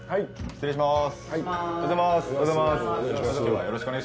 失礼します。